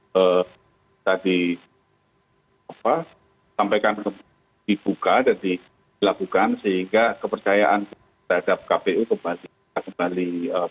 kita disampaikan dibuka dan dilakukan sehingga kepercayaan terhadap kpu kembali